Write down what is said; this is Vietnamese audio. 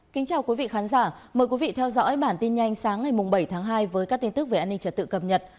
kính chào quý vị khán giả mời quý vị theo dõi bản tin nhanh sáng ngày bảy tháng hai với các tin tức về an ninh trật tự cập nhật